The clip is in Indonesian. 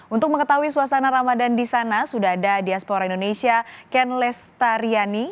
untuk mengetahui suasana ramadan di sana sudah ada diaspora indonesia ken lestariani